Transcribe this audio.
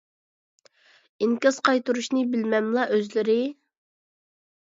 ئىنكاس قايتۇرۇشنى بىلمەملا ئۆزلىرى؟